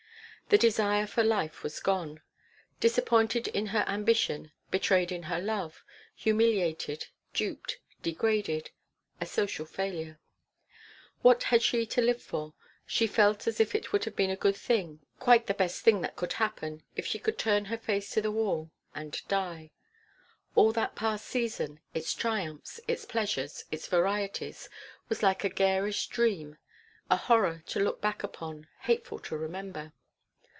The desire for life was gone. Disappointed in her ambition, betrayed in her love, humiliated, duped, degraded a social failure. What had she to live for? She felt as if it would have been a good thing, quite the best thing that could happen, if she could turn her face to the wall and die. All that past season, its triumphs, its pleasures, its varieties, was like a garish dream, a horror to look back upon, hateful to remember.